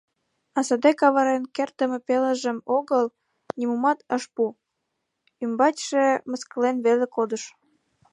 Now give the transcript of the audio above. А саде каварен кертдыме пелыжым огыл, нимомат ыш пу, ӱмбачше мыскылен веле кодыш.